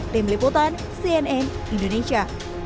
tim liputan cnn indonesia